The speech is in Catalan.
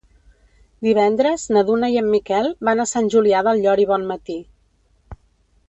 Divendres na Duna i en Miquel van a Sant Julià del Llor i Bonmatí.